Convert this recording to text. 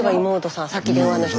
さっき電話の人。